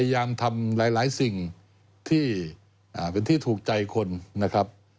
พยายามทำหลายสิ่งที่เป็นที่ถูกใจคนนะครับ